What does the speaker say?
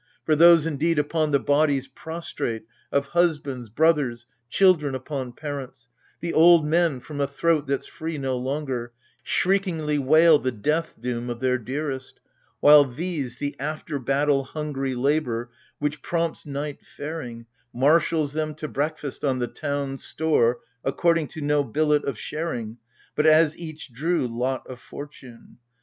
For those, indeed, upon the bodies prostrate Of husbands, brothers, children upon parents — The old men, from a throat that's free no longer, Shriekingly wail the death doom of their dearest : While these — the after battle hungry labour, Which prompts night faring, marshals them to breakfast On the town's store, according to no billet Of sharing, but as each drew lot of fortune.